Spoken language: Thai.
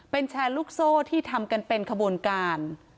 เป็นแชร์ลูกโซ่ที่ทำกันเป็นขบวนการ